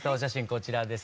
こちらです